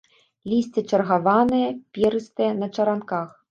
Лісце чаргаванае, перыстае, на чаранках.